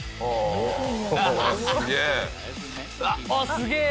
すげえ！